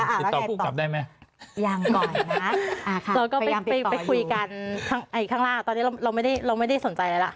ติดต่อผู้กลับได้ไหมยังก่อนนะเราก็ไปไปคุยกันข้างล่างตอนนี้เราไม่ได้เราไม่ได้สนใจอะไรล่ะ